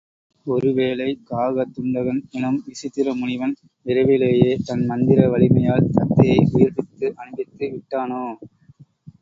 ஒருவேளை காகதுண்டகன் எனும் விசித்திர முனிவன் விரைவிலேயே தன் மந்திர வலிமையால் தத்தையை உயிர்ப்பித்து அனுப்பி விட்டானோ?